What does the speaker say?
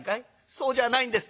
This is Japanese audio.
「そうじゃないんです」。